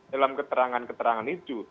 dalam keterangan keterangan itu